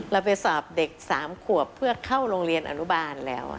เราไปสอบเด็ก๓ขวบเพื่อเข้าโรงเรียนอนุบาลแล้ว